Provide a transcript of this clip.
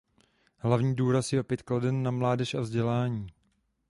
Hlavní důraz je opět kladen na mládež a vzdělání.